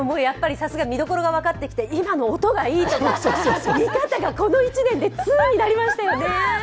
さすが見どころが分かってきて、今の音がいいとか、見方がこの１年で通になりましたよね。